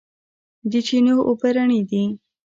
د چینو اوبه رڼې دي